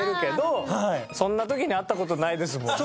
そんな時に会った事ないですもんね？